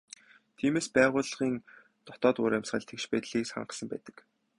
Тиймээс байгууллагын дотоод уур амьсгал тэгш байдлыг хангасан байдаг.